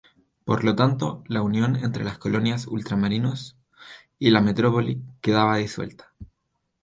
Por lo tanto, la unión entre las colonias ultramarinos y la metrópoli quedaba disuelta.